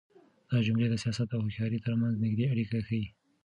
دا جملې د سياست او هوښيارۍ تر منځ نږدې اړيکه ښيي.